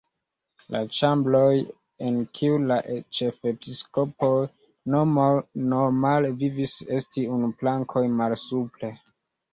La ĉambroj en kiuj la ĉefepiskopoj normale vivis estis unu plankon malsupre.